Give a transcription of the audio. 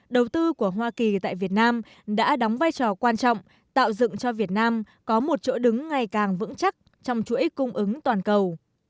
đầu tư của hoa kỳ tại việt nam đã đóng vai trò quan trọng tạo dựng cho việt nam có một chỗ đứng ngày càng vững chắc trong chuỗi cung ứng toàn cầu